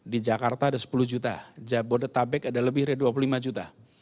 di jakarta ada sepuluh juta jabodetabek ada lebih dari dua puluh lima juta